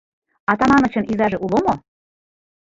Атаманычын изаже уло мо?